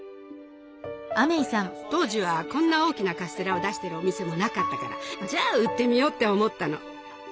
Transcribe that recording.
当時はこんな大きなカステラを出してるお店もなかったからじゃあ売ってみようって思ったの。